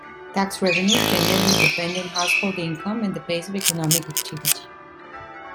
Tax revenues generally depend on household income and the pace of economic activity.